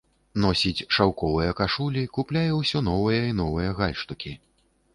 Носіць шаўковыя кашулі, купляе ўсё новыя і новыя гальштукі.